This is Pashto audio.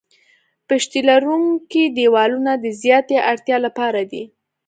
پشتي لرونکي دیوالونه د زیاتې ارتفاع لپاره دي